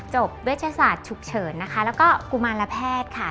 เวชศาสตร์ฉุกเฉินนะคะแล้วก็กุมารแพทย์ค่ะ